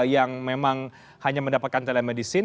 yang memang hanya mendapatkan telemedicine